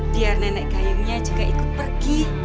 biar nenek kayunya juga ikut pergi